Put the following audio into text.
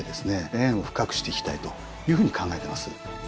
縁を深くしていきたいというふうに考えてます。